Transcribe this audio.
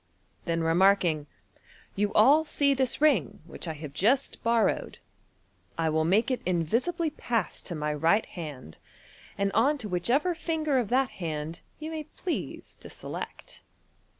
Then remarking, " You all see this ring, which I have just borrowed. I will make it invisibly pass to my right hand, and on to whicheve r finger of that hand vou may please to select."